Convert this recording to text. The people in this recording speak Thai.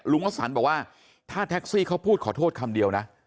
วัสสันบอกว่าถ้าแท็กซี่เขาพูดขอโทษคำเดียวนะ